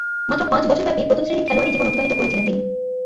মাত্র পাঁচ বছরব্যাপী প্রথম-শ্রেণীর খেলোয়াড়ী জীবন অতিবাহিত করেছিলেন তিনি।